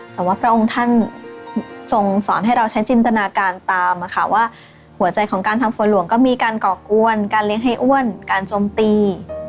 แต่ว่าพระองค์ท่านทรงสอนให้เราใช้จินตนาการตามว่าหัวใจของการทำฝนหลวงก็มีการก่อกวนการเลี้ยงให้อ้วนการจมตี